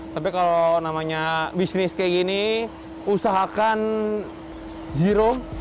tapi kalau namanya bisnis kayak gini usahakan zero